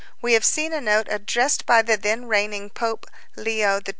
We have seen a note addressed by the then reigning Pope, Leo XII.